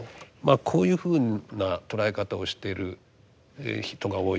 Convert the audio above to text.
こういうふうな捉え方をしている人が多い。